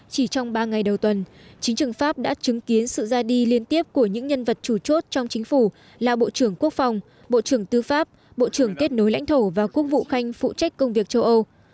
chỉ trong ba ngày đầu tuần chính trường pháp đã chứng kiến sự ra đi liên tiếp của những nhân vật chủ chốt trong chính phủ là bộ trưởng quốc phòng bộ trưởng tư pháp bộ trưởng kết nối lãnh thổ và quốc vụ khanh phụ trách công việc châu âu